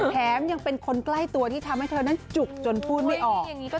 แถมยังเป็นคนใกล้ตัวที่ทำให้เธอนั้นจุกจนพูดไม่ออก